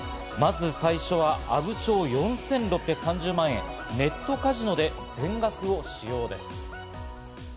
最初は阿武町、４６３０万円、ネットカジノで全額を使用です。